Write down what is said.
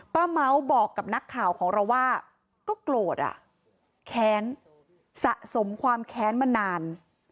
เมาส์บอกกับนักข่าวของเราว่าก็โกรธอ่ะแค้นสะสมความแค้นมานาน